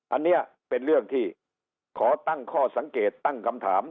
อันนี้เป็นเรื่องที่ขอตั้งข้อสังเกตตั้งคำถาม